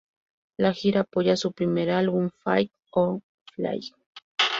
La gira apoya su primer álbum Fight or Flight.